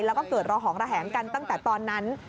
แล้วก็เกิดระหองระแหงกันตั้งแต่ตอนนั้น